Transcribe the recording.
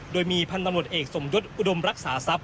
โดยมีพันธุ์ตำรวจเอกสมยศอุดมรักษาทรัพย